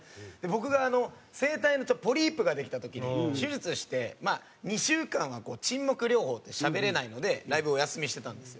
僕が声帯にポリープができた時に手術して２週間は沈黙療法でしゃべれないのでライブお休みしてたんですよ。